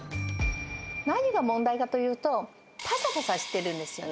何が問題かというと、ぱさぱさしてるんですよね。